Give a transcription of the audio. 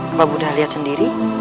apa bunda lihat sendiri